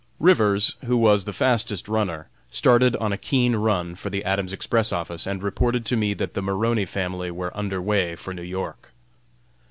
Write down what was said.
Rivers, who was the fastest runner, started on a keen run for the Adams Express Office and reported to me that the Maroney family were under way for New York.